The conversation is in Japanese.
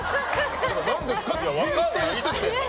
何ですかってずっと言ってて。